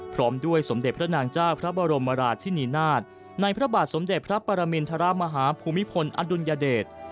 พร้อมด้วยสมเด็จพระนางเจ้าพระบรมราชินีนาฏในพระบาทสมเด็จพระปรมินทรมาฮาภูมิพลอดุลยเดช